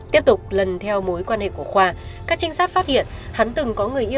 tiếp tục lần theo mối quan hệ của khoa các trinh sát phát hiện hắn từng có người yêu